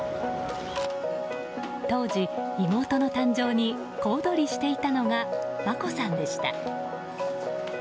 当時、妹の誕生に小躍りしていたのが眞子さんでした。